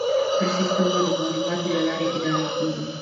هر سیستم به د معلوماتو له لارې اداره کېږي.